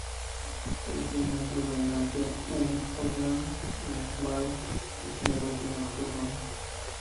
El clima predominante en "Undead Nightmare" es tenebroso y nocturno.